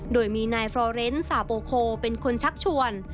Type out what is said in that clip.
โดยมีนายฟรอเรนสาโปโคเป็นคนชักชวน